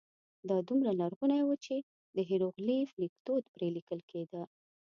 دا دومره لرغونی و چې د هېروغلیف لیکدود پرې لیکل کېده.